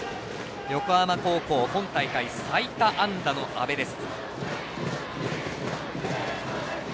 横浜高校今大会、最多安打の阿部です。